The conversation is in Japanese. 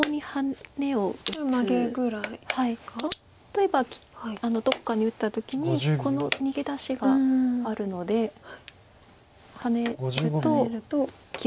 例えばどこかに打った時にこの逃げ出しがあるのでハネると切る手があります。